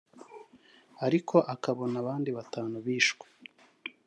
ariko akabona abandi batanu bishwe